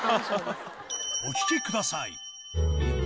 お聴きください。